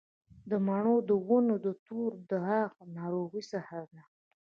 د مڼو د ونو د تور داغ ناروغي څه ده؟